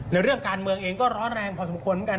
เรื่องการเมืองเองก็ร้อนแรงพอสมควรเหมือนกัน